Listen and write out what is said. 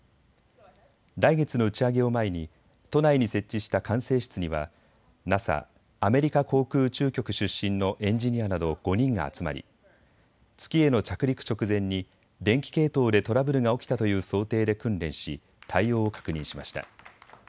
来月の打ち上げを前に都内に設置した管制室にはＮＡＳＡ・アメリカ航空宇宙局出身のエンジニアなど５人が集まり、月への着陸直前に電気系統でトラブルが起きたという想定で訓練し対応を確認しました。